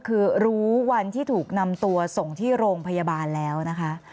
คือรู้วันที่ถูกนำตัวส่งที่โรงพยาบาลแล้วนะคะ